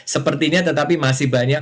sepertinya tetapi masih banyak